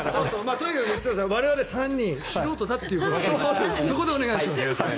とにかく我々３人素人だということでそこでお願いします。